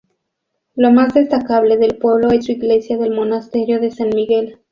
Lo más destacable del pueblo es su Iglesia del Monasterio de San Miguel.